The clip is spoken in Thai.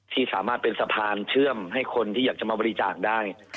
ที่สามารถเป็นสะพานเชื่อมให้คนที่อยากจะมาบริจาคได้